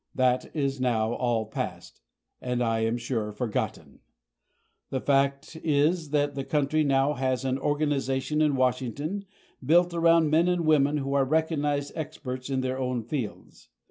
That is now all past and, I am sure, forgotten. The fact is that the country now has an organization in Washington built around men and women who are recognized experts in their own fields.